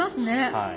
はい。